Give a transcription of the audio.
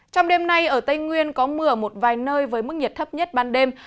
trong đêm nay ở tây nguyên có mưa ở một vài nơi với mức nhiệt thấp nhất ban đêm